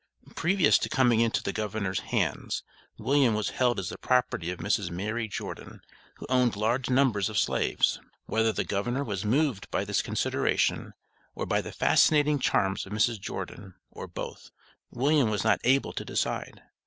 Previous to coming into the governor's hands, William was held as the property of Mrs. Mary Jordon, who owned large numbers of slaves. Whether the governor was moved by this consideration, or by the fascinating charms of Mrs. Jordon, or both, William was not able to decide.